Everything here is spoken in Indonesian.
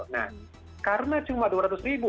nah karena cuma dua ratus ribu